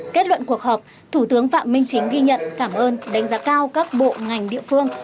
kết luận cuộc họp thủ tướng phạm minh chính ghi nhận cảm ơn đánh giá cao các bộ ngành địa phương